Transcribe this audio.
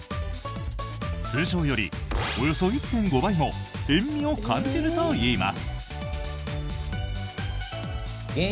通常より、およそ１．５倍も塩味を感じるといいます。